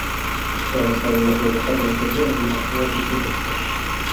كان سامي يحمل قدرا كبيرا من الغضب في نفسه.